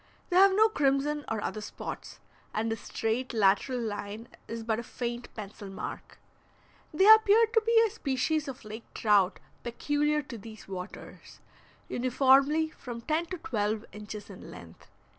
They have no crimson or other spots, and the straight lateral line is but a faint pencil mark. They appeared to be a species of lake trout peculiar to these waters, uniformly from ten to twelve inches in length.